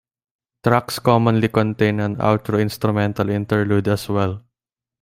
Tracks commonly contain an outro instrumental interlude as well.